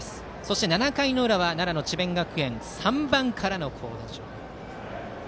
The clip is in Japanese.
７回の裏は奈良の智弁学園３番からの好打順。